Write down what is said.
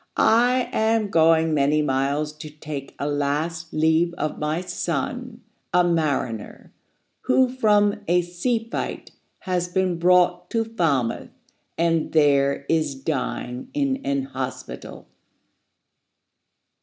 I am going many miles to take A last leave of my son, a mariner, Who from a sea fight has been brought to Falmouth, And there is dying in an hospital."